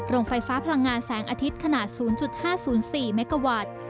โรงไฟฟ้าพลังงานแสงอาทิตย์ขนาด๐๕๐๔เมกาวัตต์